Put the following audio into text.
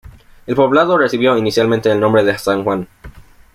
El poblado recibió inicialmente el nombre de San Juan.